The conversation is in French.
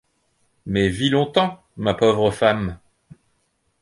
Mais vis longtemps, ma pauvre femme.